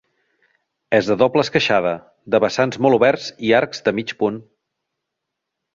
És de doble esqueixada, de vessants molt oberts i arcs de mig punt.